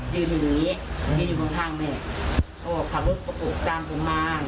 ยืนทำอะไรพูดฟังอยู่